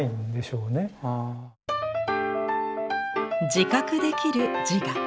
「自覚できる自我」。